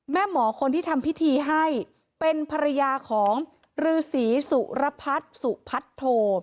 แม่หมอคนที่ทำพิธีให้เป็นภรรยาของลื้อสีสุระพัดสุพัชโธ